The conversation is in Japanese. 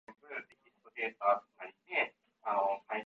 日付は明日になっていた